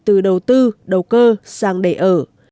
từ đầu tư đầu cơ sang để ở